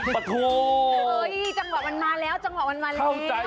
มาตรวจจังหวัดมันมาแล้ว